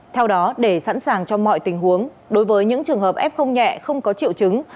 theo đó để sẵn sàng cho mọi tình huống đối với những trường hợp f nhẹ không có triệu chứng